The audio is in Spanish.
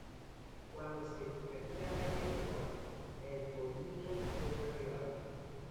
Cuando se retira la lengua, el polinia se queda pegado.